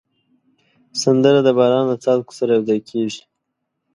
سندره د باران له څاڅکو سره یو ځای کېږي